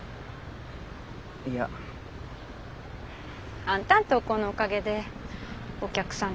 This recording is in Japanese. いや。あんたんとうこうのおかげでおきゃくさん